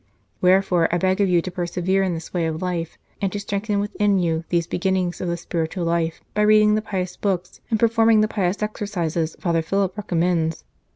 Wherefore I beg of you to persevere in this way of life, and to strengthen within you these beginnings of the spiritual life by reading the pious books and performing the pious exercises Father Philip recommends.